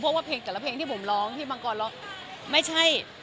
เพราะว่าเพลงแต่ละเพลงที่ผมร้องที่มังกรร้องไม่ใช่